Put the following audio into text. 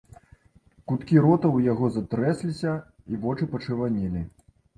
Куткі рота ў яго затрэсліся і вочы пачырванелі.